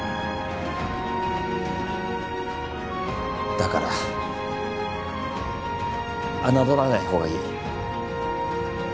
だから侮らないほうがいい。